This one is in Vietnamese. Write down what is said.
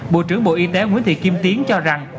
bộ trưởng bộ y tế nguyễn thị kim tiến cho rằng